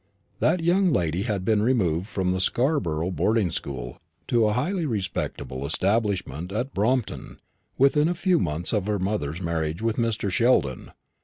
That young lady had been removed from the Scarborough boarding school to a highly respectable establishment at Brompton, within a few months of her mother's marriage with Mr. Sheldon.